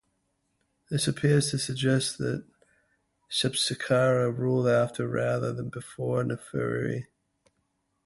This appears to suggest that Shepseskare ruled after-rather than before-Neferefre.